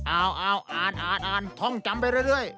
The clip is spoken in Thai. เอาอ่านอ่านท่องจำไปเรื่อย